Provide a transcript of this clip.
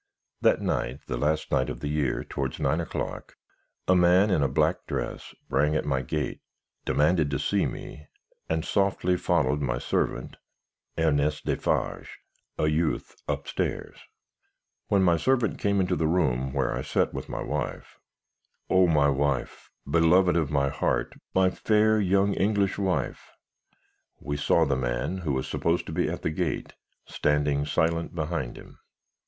"That night, the last night of the year, towards nine o'clock, a man in a black dress rang at my gate, demanded to see me, and softly followed my servant, Ernest Defarge, a youth, up stairs. When my servant came into the room where I sat with my wife O my wife, beloved of my heart! My fair young English wife! we saw the man, who was supposed to be at the gate, standing silent behind him.